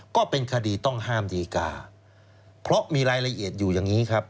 ก็เป็นคดีต้องห้ามดีกาเพราะมีรายละเอียดอยู่อย่างนี้ครับ